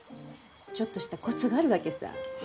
ちょっとしたコツがあるわけさぁ。